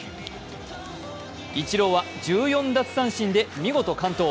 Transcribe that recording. イチローは１４奪三振で見事、完投。